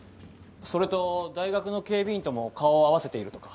それと大学の警備員とも顔を合わせているとか。